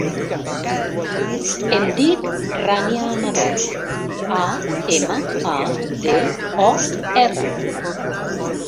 Em dic Rània Amador: a, ema, a, de, o, erra.